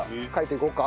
いこうか！